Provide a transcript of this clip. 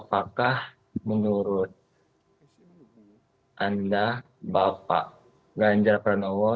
saat ini bapak prabowo dan jokowi